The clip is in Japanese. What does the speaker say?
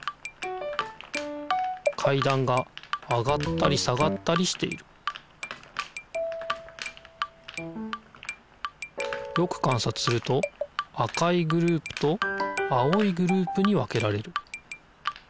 かいだんが上がったり下がったりしているよくかんさつすると赤いグループと青いグループに分けられる。